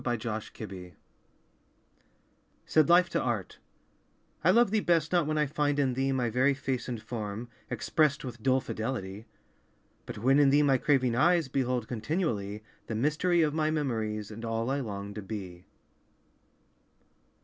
Life and Art Said Life to Art "I love thee best Not when I find in thee My very face and form, expressed With dull fidelity, "But when in thee my craving eyes Behold continually The mystery of my memories And all I long to be."